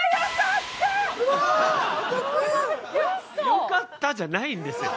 「よかった」じゃないんですよ。